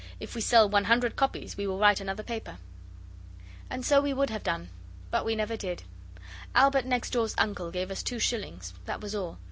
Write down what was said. If we sell one hundred copies we will write another paper. And so we would have done, but we never did. Albert next door's uncle gave us two shillings, that was all.